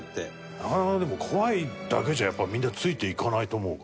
なかなかでも怖いだけじゃやっぱみんなついていかないと思うから。